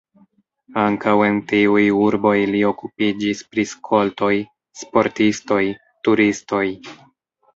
Ankaŭ en tiuj urboj li okupiĝis pri skoltoj, sportistoj, turistoj.